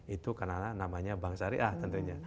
itu karena namanya bank syariah tentunya